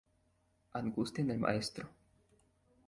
Angustia en el maestro.